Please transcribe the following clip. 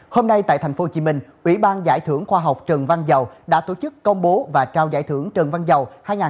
hôm nay tại thành phố hồ chí minh ủy ban giải thưởng khoa học trần văn dầu đã tổ chức công bố và trao giải thưởng trần văn dầu hai nghìn một mươi chín